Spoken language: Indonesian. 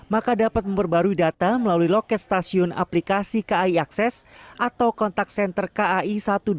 maka dapat memperbarui data melalui loket stasiun aplikasi kai akses atau kontak senter kai satu ratus dua puluh